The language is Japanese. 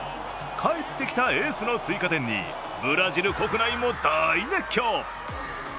帰ってきたエースの追加点にブラジル国内も大熱狂。